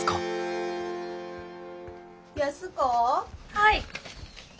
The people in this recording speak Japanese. はい。